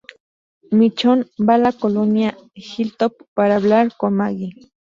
Michonne va a la colonia Hilltop para hablar con Maggie.